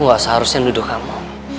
gak seharusnya nuduh kamu